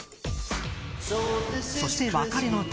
そして、別れの時。